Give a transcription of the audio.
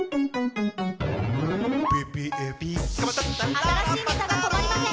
新しいネタが止まりません。